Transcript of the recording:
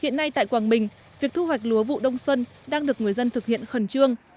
hiện nay tại quảng bình việc thu hoạch lúa vụ đông xuân đang được người dân thực hiện khẩn trương